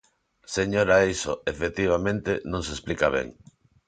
Señora Eixo, efectivamente, non se explica ben.